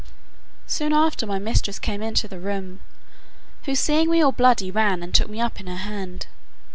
Soon after my mistress came into the room, who seeing me all bloody, ran and took me up in her hand.